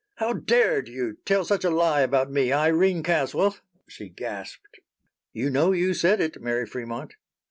"How dared you tell such a lie about me, Irene Caswell?" she gasped. "You know you said it, Mary Fremont."